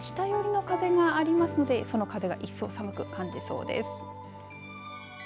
また、北寄りの風がありますのでその風が一層寒く感じそうです。